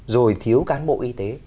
rồi thiếu cán bộ y tế